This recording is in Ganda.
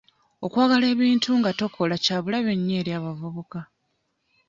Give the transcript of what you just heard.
Okwagala ebintu ebirungi nga tokola kyabulabe nnyo eri abavubuka.